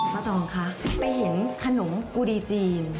พระตองคะไปเห็นขนมกูดีจีน